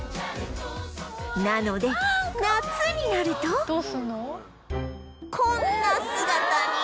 なので夏になるとこんな姿に